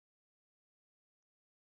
اداره د قانون پلي کولو ته ژمنه ده.